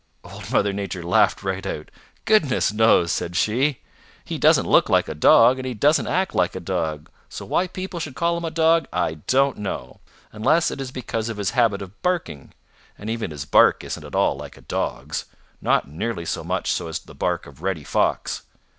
Old Mother Nature laughed right out. "Goodness knows," said she. "He doesn't look like a Dog and he doesn't act like a Dog, so why people should call him a Dog I don't know, unless it is because of his habit of barking, and even his bark isn't at all like a Dog's not nearly so much so as the bark of Reddy Fox.